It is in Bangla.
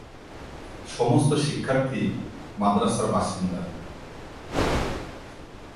সমস্ত শিক্ষার্থী মাদ্রাসার বাসিন্দা।